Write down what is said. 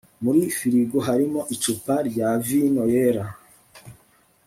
muri firigo harimo icupa rya vino yera